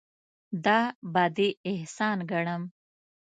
دا به دې احسان ګڼم.